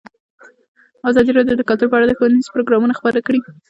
ازادي راډیو د کلتور په اړه ښوونیز پروګرامونه خپاره کړي.